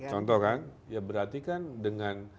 contoh kan ya berarti kan dengan